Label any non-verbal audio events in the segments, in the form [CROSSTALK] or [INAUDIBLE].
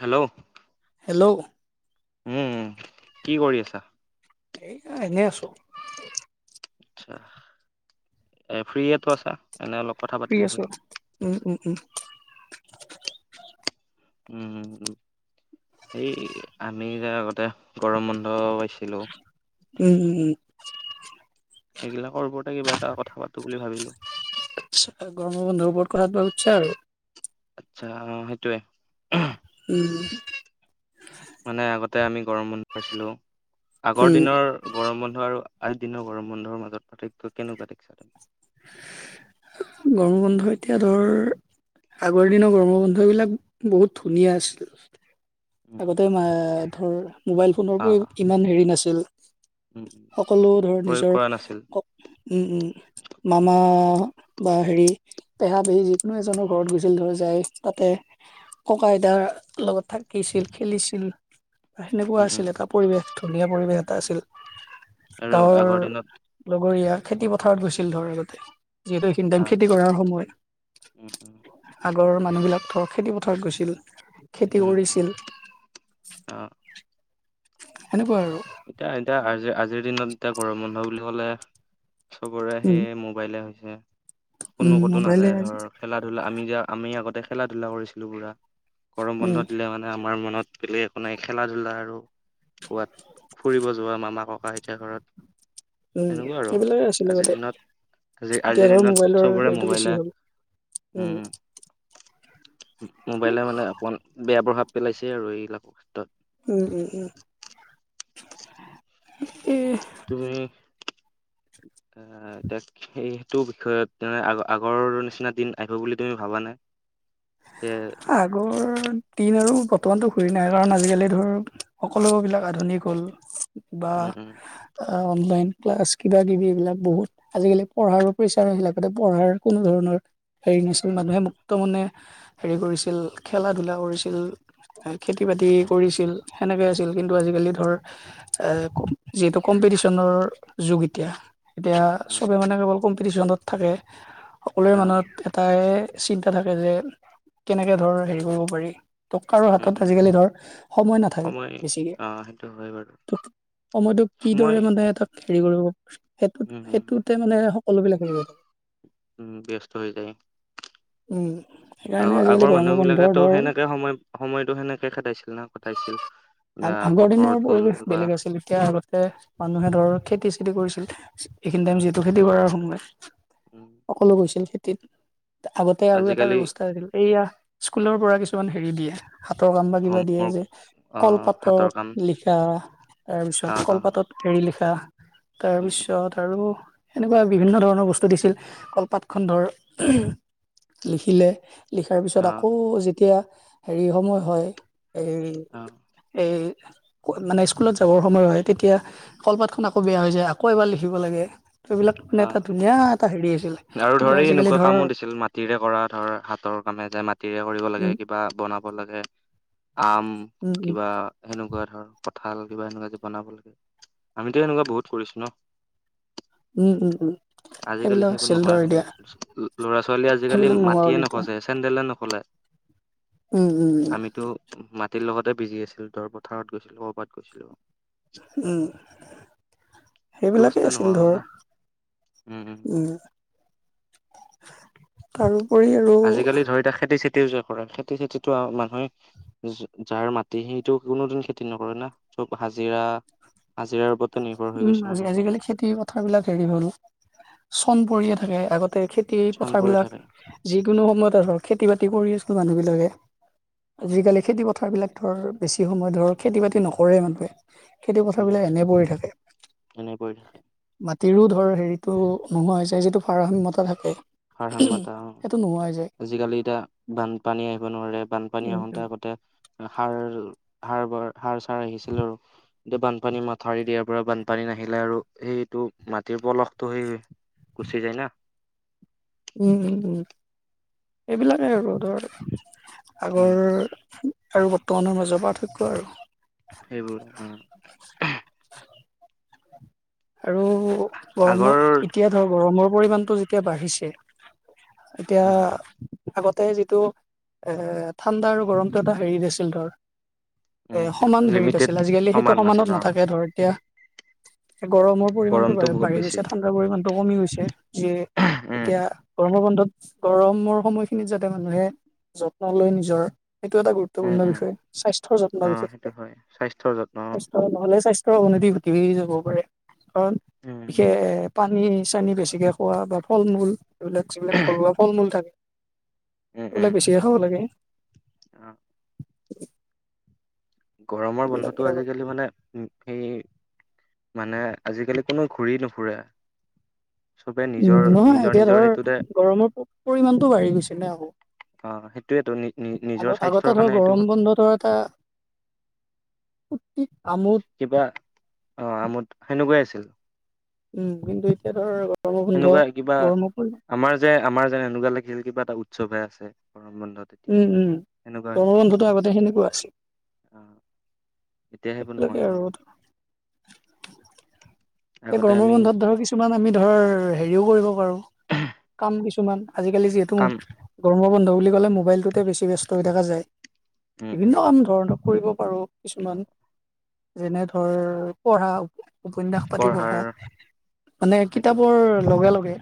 Hello. Hello. উম কি কৰি আছা এইয়া এনেই আছোঁ। আচ্ছা, এ ফ্ৰীয়েতো আছা এনে অলপ কথা ফ্ৰী পাতিলো হয় আছোঁ উম, উম, উম। উম, উম, এই আমি যে আগতে গৰম বন্ধ পাইছিলোঁ। উম উম সেইগিলাকৰ ওপৰতে কিবা এটা কথা পাতো বুলি ভাবিলোঁ। আচ্ছা গৰমৰ বন্ধৰ ওপৰত কথাটো সুধচা আৰু। আচ্ছা অ' সেইটোৱে। উম। মানে আগতে আমি গৰম বন্ধ পাইছিলোঁ, আগৰ উম দিনৰ গৰম বন্ধ আৰু আজি দিনৰ গৰম বন্ধৰ মাজত পাৰ্থক্য কেনেকুৱা দেখছা তুমি। গৰম বন্ধ এতিয়া ধৰ আগৰ দিনৰ গৰমৰ বন্ধবিলাক বহুত ধুনীয়া আছিল। উম আগতে ম- ধৰ মোবাইল ফোনৰ আহ প্ৰয়োগ ইমান হেৰি নাছিল। উম উম সকলো ধৰ প্ৰয়োগ নিজৰ কৰা নাছিল ক উম, উম মামা বা হেৰি পেহা পেহী যিকোনো এজনৰ ঘৰত গৈছিল ধৰি যায় তাতে ককা আইতা তাৰ লগত থাকিছিল, খেলিছিল বা সেনেকুৱা উম উম আছিল এটা পৰিৱেশতো। ধুনীয়া পৰিৱেশ এটা আছিল, আৰু গাঁৱৰ আগৰ দিনত লগৰীয়া খেতি পথাৰত গৈছিল ধৰ আগতে, যিহেতু এইখিনি টাইম আহ খেতি কৰাৰ সময়। উম উম ঘৰৰ মানুহবিলাক ধৰ খেতি পথাৰত গৈছিল, খেতি উম উম কৰিছি অ'। সেনেকুৱা আৰু। এতিয়া এতিয়া আজি আজিৰ দিনত এতিয়া গৰম বন্ধ বুলি ক'লে চবৰে উম সেই মোবাইলে হৈছে। উম কোনো ক'তো মোবাইলে নাযায় ধৰ খেলা ধূলা আমি যে আমি আগতে খেলা ধূলা কৰিছিলোঁ পুৰা। গৰম উম বন্ধ দিলে মানে আমাৰ মনত বেলেগ একো নাই খেলা ধূলা আৰু ক'ৱাত ফুৰিব যোৱা মামা ককা আইতাৰ ঘৰত উম' এনেকুৱা আৰু। সেইবিলাকে আছিলে আজিৰ আগতে, দিনত আজি আজিৰ এতিয়া ধৰ দিনত মোবাইলৰ চবৰে হেৰিটো মোবাইলে বেছি হ'ল। উম' মোবাইলে মানে অকমান বেয়া প্ৰভাৱ পেলাইছে আৰু এইবিলাকৰ ক্ষেত্ৰত। উম', উম', উম' এই তুমি আ' সেইটো বিষয়ত তুমি আগৰ নিচিনা দিন আহিব বুলি তুমি ভাবা নে? আগৰ দিন আৰু বৰ্তমানতো ঘূৰি নাই কাৰণ আজিকালি ধৰ সকলোবিলাক আধুনিক হ'ল। বা উম উম অনলাইন ক্লাছ কিবা কিবি এইবিলাক বহুত, আজিকালি পঢ়াৰ প্ৰেচাৰ লগতে পঢ়াৰ কোনো ধৰণৰ হেৰি নাছিল, মানুহে মুক্ত মনে হেৰি কৰিছিল, খেলা ধূলা কৰিছিল। খেতি বাতি কৰিছিল, সেনেকে আছিল কিন্তু আজিকালি ধৰ এ যিহেতু কম্পি টিশনত যুগ এতিয়া। এতিয়া উম। চবে মানে কেৱল কম্পিটিশনত থাকে, সকলোৱে আহ মনত এটাই চিন্তা থাকে যে, কেনেকে ধৰ হেৰি কৰিব পাৰি। তো কাৰো উম হাতত উম আজিকালি ধৰ সময় নাথাকে বেছিকে। আহ সেইটো হয় বাৰু ত সময়টো সময় কিদৰে মানে এটা হেৰি কৰিব, সেইটো উম উম সেইটোতে মানে সকলোবিলাক উম' ব্যস্ত হৈ যায়। উম সেইকাৰণে আজিকালি আগৰ-আগৰ গৰমৰ মানুহ বন্ধৰ বিলাকেতো ধৰ সেনেকে সময় সময়তটো সেনেকে খেদাইছিল না, কটাইছিল না আগৰ পথাৰত দিনৰ গ'ল পৰিৱেশ বা বেলেগ আছিল, এতিয়া আগতকে মানুহে ধৰ খেতি চেতি কৰিছিল, এইখিনি টাইম উম যিহেতু খেতি কৰাৰ সময়, উম সকলো গৈছিল। আগতে আৰু এটা আজিকালি ব্যৱস্থা আছিল এইয়া স্কুলৰ পৰা কিছুমান হেৰি দিয়ে। হাতৰ কাম বা কিবা দিয়ে হোমৱৰ্ক যে, আহ কলপাতত হাতৰ কাম লিখা আহ তাৰপিছত আহ কলপাতত হেৰি লিখা, উম তাৰপিছত আৰু এনেকুৱা বিভিন্ন ধৰণৰ বস্তু দিছিল, কলপাত খন ধৰ লিখিলে লিখাৰ পিছত আহ আকৌ যেতিয়া হেৰি সময় হয়, হেৰি আহ এই মানে স্কুলত যাবৰ সময় হয়, তেতিয়া কলপাতখন আকৌ বেয়া হৈ যায়, আকৌ এবাৰ লিখিব লাগে। সেইবিলাক মানে এটা আহ ধুনীয়া এটা হেৰি আছিল, আৰু কিন্তু ধৰি আজিকালি এনেকুৱা ধৰ কামো দিছিল মাটিৰে কৰা ধৰ হাতৰ কামে যে মাটিৰে কৰিব লাগে, উম কিবা বনাব লাগে আম, উম উম কিবা এনেকুৱা ধৰ কঁঠাল কিবা এনেকুৱা যে বনাব লাগে, আমিতো এনেকুৱা বহুত কৰিছো ন? উম', উম', উম' আজিকালি সেইবিলাক সেইবোৰ আছিল নোহোৱা ধৰ এতিয়া হল ল'ৰা ছোৱালী আজিকালি সেইবিলাক নোহোৱা হ'ল মটিয়ে এতিয়া নখচে চেন্দেলে নখ লে উম উম উম আমিতো মাত তিৰ লগতে বিজি আছিলো, ধৰ পথাৰত গৈছিলো ক'ৰবাত গৈছিলো। উম', সেইটো সেইবিলাকেই বস্তুৱে আছিল নোহোৱা হ'ল ধৰ। না উম', তা আজিকালি ধৰ এতিয়া খেতি চেতি তিও যে কৰে, খেতি চেতিটো মানুহে যাৰ মাটি সেইটো কোনোদিন খেতি নকৰে না? চব হাজিৰা হাজিৰাৰ ওপ উম', আজি-আজিকালি খেতি কথা বিলাক হেৰি হল। চন উম পৰিয়ে থাকে, আগতে খেতি চন পথাৰ পৰি বিলাক থাকে যি যিকোনো সময়ত ধৰ খেতি বাতি কৰি আছিল মানুহবিলাকে, উম আজিকালি খেতি পথাৰবিলাক ধৰ বেছি সময় ধৰ খেতি বাতি নকৰে ইমানকে, খেতি পথাৰবিলাক এনেই পৰি থাকে। এনেই পৰি মাটিৰো ধৰ হেৰিটো নোহোৱা হৈছে, যিটো ভাৰসাম্যতা থাকে। ভাৰসাম্যতা সেইটো নোহোৱা হৈ যায় অ' আজিকালি এতিয়া বানপানী আহিব নোৱাৰে, বানপানী উম আহোতে আগতে সাৰ সাৰ ব সাৰ চাৰ সিঁছিলো আৰু এতিয়া বানপানী মাথাউৰি দিয়াৰ পৰা বানপানী নাহিলে আৰু সেই টো মাটিৰ পলসটো সেই গুচি যায় না। উম, উম, এইবিলাক এই ৰ'দৰ উম আগৰ আৰু বৰ্তমানৰ মাজৰ পাৰ্থক্য আৰু। সেইবোৰ, অহ। [INAUDIBLE] আৰু আগৰ গৰমৰ এতিয়া ধৰ গৰমৰ পৰিমাণটো যেতিয়া বাঢ়িছে এতিয়া উম আগতে যিটো এ ঠাণ্ডা আৰু গৰমটো এটা হেৰি দিছিল ধৰ উম এ সমান হেৰিত লিমিটেড আছিল, আজিকালি সেইটো সমান আছিল সমানত অ নাথাকে, ধৰ এতিয়া গৰমৰ পৰিমাণতটো গৰমটো বহুত বাঢ়ি বেছি গৈছে, ঠাণ্ডাৰ পৰিমাণতটো কমি গৈছে। যে উম এতিয়া গৰমৰ বন্ধত গৰমৰ সময়খিনিত যাতে মানুহে যত্ন লয় নিজৰ এইটো এটা উম গুৰুত্বপূৰ্ণ উম বিষয়, স্বাস্থ্যৰ যত্ন অ সেইটো বিশেষকে, হয় স্বাস্থ্যৰ যত্ন স্বাস্থ্য নহ'লে স্বাস্থ্য অৱনতি ঘটি যাব পাৰে কাৰণ উম বিশেষ পানী চানী বেছিকৈ খোৱা বা ফল মূল এইবিলাক যিবিলাক ঘৰুৱা ফল মূল থাকে এইবিলাক বেছিকে খাব লাগে। অহ। গৰমৰ সেইবিলাকে বন্ধতো আৰু আজিকালি মানে উম, সেই মানে আজিকালি কোনো ঘূৰি নুফুৰে চবে উম, নিজৰ নহয় নিজৰ এতিয়া নিজৰ ধৰ সেইটোতে গৰমৰ পৰিমাণটো বাঢ়ি গৈছে নে আকৌ অ সেইটোয়েতো নি নি নিজৰ স্বাস্থ্যৰ আগত-আগতে ধৰ কাৰণে সেইটো গৰম বন্ধ ধৰ এটা কি আমোদ কিবা অ', আমোদ সেনেকুৱাই আছিল উম, কিন্তু এতিয়া ধৰ গৰম বন্ধ এনেকুৱা কিবা, গৰমৰ পৰি আমাৰ যে আমাৰ যেন এনেকুৱা লাগিল কিবা এটা উৎসৱহে আছে। গৰম বন্ধত উম, তেতিয়া উম, সেনেকুৱা হৈছিল গৰমৰ বন্ধটো আগতে সেনেকুৱা আছিল। অ এতিয়া সেইবোৰ এতিয়ালৈকে নহোৱা আৰু হ'ল। এই আগতে গৰমৰ আমি বন্ধত ধৰ কিছুমান আমি ধৰ হেৰিও কৰিব পাৰো কাম কিছুমান আজিকালি যিহেতু কাম গৰমৰ বন্ধ বুলি ক'লে মোবাইলটোতে বেছি ব্যস্ত হৈ থকা যায়। উম বিভিন্ন উম কাম ধৰ কৰিব পাৰো অ কিছুমান যেনে ধৰ পঢ়া উপন্যা পাতি পঢ়াৰ পঢ়া, অ মানে সেইটো হয় কিতাপৰ লগে লগে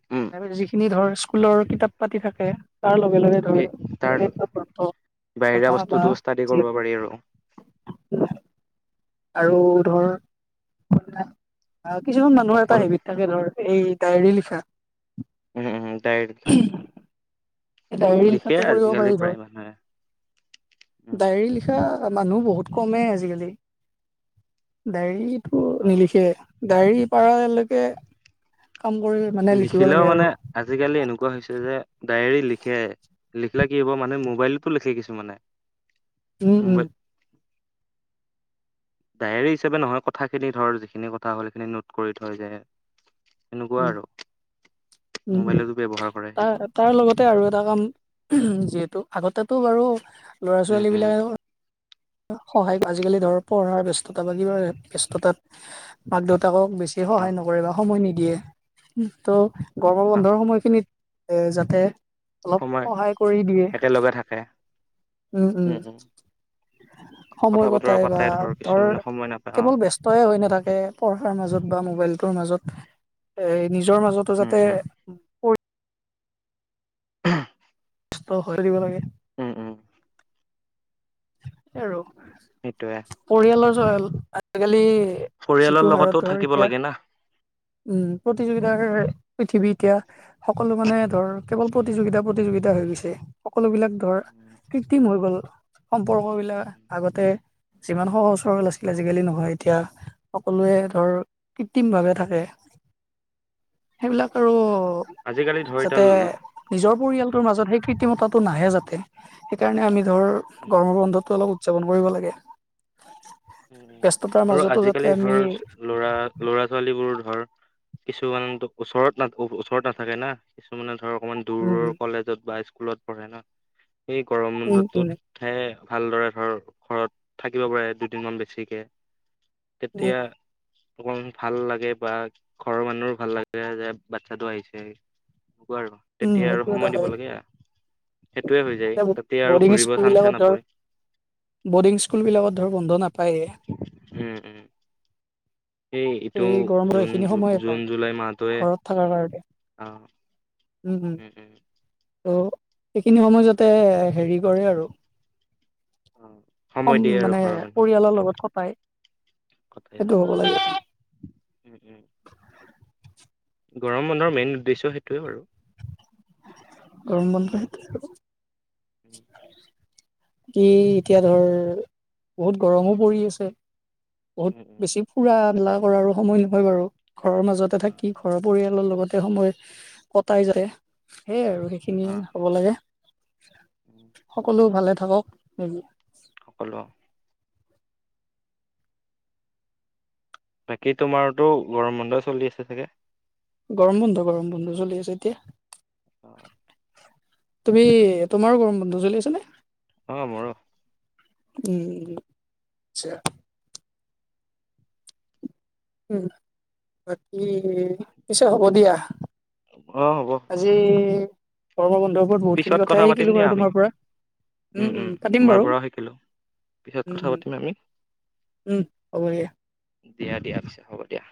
উম। উম যিখিনি ধৰ স্কুলৰ কিতাপ পাতি থাকে তাৰ লগে লগে ধৰ সেই [UNINTELLIGIBLE] তাৰ গ্ৰন্থ বাহিৰা পঢ়া বা বস্তুটো ষ্টাডি কৰিব পাৰি আৰু যিহেতু উম। আৰু ধৰ কিছুমান মানুহৰ এটা অকল হেবিট থাকে ধৰ এই ডায়েৰী লিখা ওহোঁ ওহোঁ ডাই [UNINTELLIGIBLE] ডায়েৰী লিখাটো কৰিব পাৰি ধৰ, প্ৰায় মানুহে উম ডায়েৰী লিখা মানুহ বহুত কমেই আজিকালি। ডায়ৰী টো অ নিলিখে, ডায়েৰী পাৰালৈকে কাম কৰি মানে লিখিব লিখিলেও লাগে মানে আৰু আজিকালি এনেকুৱা হৈছে যে ডায়েৰী লিখে লিখিলে কি হ'ব মানুহে মোবাইলতো লিখে কিছুমানে উম, উম। মোবাইল [INAUDIBLE] ডায়েৰী হিচাপে নহয় কথাখিনি ধৰ যিখিনি কথা হ'ল সেইখিনি নোট কৰি থৈ যায় এনেকুৱা উম আৰু উম মোবাইলতো ব্যৱহাৰ কৰে সেইবোৰ তাৰ তাৰ লগতে আৰু এটা কাম যিহেতু আগতেটো বাৰু ল'ৰা উম ছোৱালী উম বিলাকেও সহায় আজিকালি ধৰ পঢ়াৰ ব্যস্ততা বা কিবা ব্যস্ততাত মাক দেউতাকক বেছি সহায় অহ নকৰে বা সময় নিদিয়ে ত' গৰামৰ অহ বন্ধৰ সময়খিনিত যাতে অলপ সময় সহায় কৰি দিয়ে। একেলগে থাকে উম', উম' কথা সময় বতৰা কটাই পাতে বা ধৰ কিছুমানে সময় নাপায় অ কেৱল ব্যস্তয়ে হৈ নাথাকে পঢ়াৰ মাজত বা মোবাইলটোৰ মাজত এ নিজৰ মাজতো উম যাতে উম [UNINTELLIGIBLE] নষ্ট হৈ [UNINTELLIGIBLE] লাগে উম', উম' এ আৰু সেইটোয়ে পৰিয়ালৰ [UNINTELLIGIBLE] আজিকালি পৰিয়ালৰ যিটো লগতো হাৰত ধৰ থাকিব এতিয়া লাগে না উম উম, প্ৰতিযোগিতাৰ পৃথিৱী এতিয়া সকলো মানে ধৰ কেৱল প্ৰতিযোগিতা প্ৰতিযোগিতা হৈ গৈছে সকলো বিলাক ধৰ উম, কৃত্ৰিম হৈ গল সম্পৰ্ক উম, বিলাক আগতে যিমান সহজ সৰহল আচিল আজিকালি নহয় এতিয়া সকলোৱে ধৰ কৃত্ৰিম ভাৱে থাকে সেইবিলাক উম। আৰু আজিকালি ধৰ যাতে এতিয়া নিজৰ পৰিয়ালটোৰ মাজতহে কিত্ৰিমতাটো নাহে যাতে সেইকাৰণে আমি ধৰ গৰমৰ বন্ধতো অলপ উদযাপন কৰোঁ কৰিব লাগে। উ ব্যস্ততাৰ আৰু মাজতো যাতে আজিকালি ধৰ আমি লৰা লৰা ছোৱালী বোৰ ধৰ কিছুমানে ওচৰত না ওচৰত নাথাকে না কিছুমানে ধৰ অকণমান উম দূৰৰ কলেজত বা স্কুলত পঢ়ে ন সেই গৰম উম উম বন্ধটোতহে ভালদৰে ধৰ ঘৰত থাকিব পাৰে দুদিনমান বেছিকে উম কেতিয়া অকমান ভাল লাগে বা ঘৰৰ মানুহো ভাল লাগে যে বাচ্ছাটো আহিছে। আৰু উম তেতিয়া আৰু সেইটো এটা সময় দিব হয় লাগে। সেইটোয়ে হৈ যায় এতিয়া তাতে আৰু বৰ্ডিং ঘুৰিব স্কুল চান্সে বিলাকত ধৰ নাপৰে বৰ্ডিং স্কুলবিলাকত ধৰ বন্ধ নাপায়েই উম উম এই ইটো গৰমৰ জুন এইখিনি জু সময়ে জুন পায় জুলাই মাহটোৱে ঘৰত থকাৰ কাৰণে অ উম উম [INAUDIBLE] ত' সেইখিনি সময় যতে হেৰি কৰে আৰু অ সময় কম দিয়ে আৰু মানে ঘৰৰ মানুহক পৰিয়ালৰ লগত কটাই। কটাই সেইটো অ হ'ব লাগে। [INAUDIBLE] গৰম বন্ধৰ মেইন উদ্দেশ্য সেইটোৱে ব আৰু [INAUDIBLE] [UNINTELLIGIBLE] কি এতিয়া ধৰ বহুত গৰমো পৰি আছে। উম বহুত উম। বেছি ফুৰা মেলা কৰাৰো সময় নহয় বাৰু ঘৰৰ মাজতে অ থাকি ঘৰৰ পৰিয়াল লগতে সময় কটাই যায় সেইয়াই আৰু সেইখিনি অ, হ'ব লাগে। উম, সকলো ভালে থাকক নিজ সকলো বাকী তোমাৰতো গৰম বন্ধ চলি আছে চাগে। গৰম বন্ধ গৰম বন্ধ চলি আছে এতিয়া [INAUDIBLE] তুমি তোমাৰো গৰম বন্ধু চলি আছ নে। অ', মোৰ [UNINTELLIGIBLE] [UNINTELLIGIBLE] উম বাকী পিছে হ'ব দিয়া। অ', হ'ব। কৰ্মৰ বন্ধৰ ওপৰত বহুত খিনি পিছত কথা কথাই পাতিম শিকিলো দিয়া বাৰু আমি তোমাৰ পৰা। উম উম তোমাৰ পৰাও শিকিলো পিছত উম কথা উম পাতিম আমি উম হ'ব দয়া দিয়া দিয়া পিছে হ'ব দিয়া